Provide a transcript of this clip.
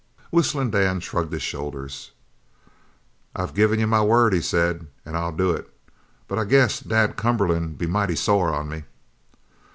Whistling Dan shrugged his shoulders. "I've given you my word," he said, "an' I'll do it. But I guess Dad Cumberland'll be mighty sore on me."